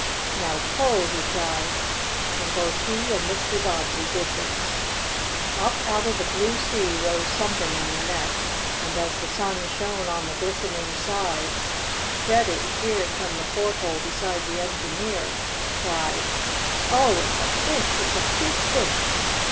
"Now pull!" he cried, and both he and Mr. Bobbsey did this. Up out of the blue sea rose something in the net. And as the sun shone on the glistening sides Freddie, peering from the porthole beside the engineer, cried: "Oh, it's a fish! It's a big fish!"